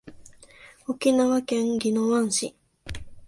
沖縄県宜野湾市